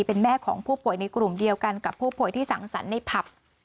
เป็นแม่ของผู้ป่วยในกลุ่มเดียวกันกับผู้ป่วยที่สังสรรค์ในผับ